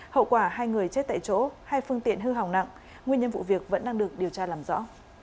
hậu quả hai người chết tại chỗ hai phương tiện hư hỏng nặng nguyên nhân vụ việc vẫn đang được điều tra làm rõ